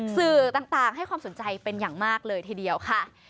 สื่อต่างให้ความสนใจเป็นอย่างมากเลยทีเดียวค่ะ